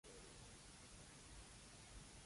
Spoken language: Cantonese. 媽，我唔想上電視吖